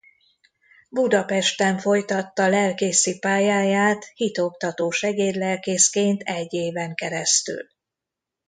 Budapesten folytatta lelkészi pályáját hitoktató segédlelkészként egy éven keresztül.